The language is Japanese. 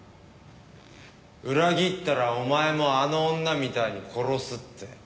裏切ったらお前もあの女みたいに殺すって。